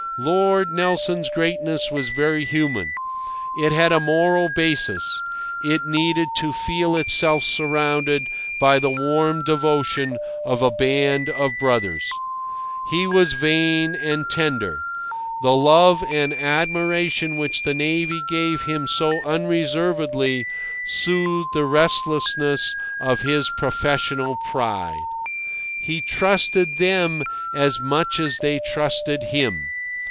Lord Nelson's greatness was very human. It had a moral basis; it needed to feel itself surrounded by the warm devotion of a band of brothers. He was vain and tender. The love and admiration which the navy gave him so unreservedly soothed the restlessness of his professional pride. He trusted them as much as they trusted him.